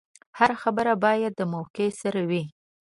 هره خبره باید د موقع سره وي.